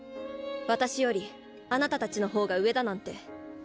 私よりあなたたちの方が上だなんて。